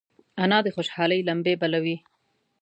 انا د خوشحالۍ لمبې بلوي